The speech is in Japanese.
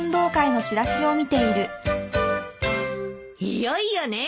いよいよね！